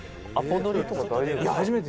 「初めて。